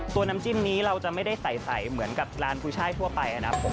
น้ำจิ้มนี้เราจะไม่ได้ใสเหมือนกับร้านกุ้ยช่ายทั่วไปนะครับผม